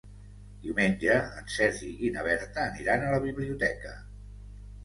Diumenge en Sergi i na Berta aniran a la biblioteca.